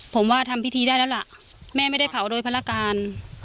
ผมว่าทำพิธีได้แล้วล่ะแม่ไม่ได้เผาโดยภารการ